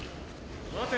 待て。